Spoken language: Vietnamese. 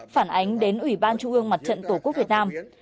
phản ánh đến ủy ban trung ương mặt trận tổ quốc việt nam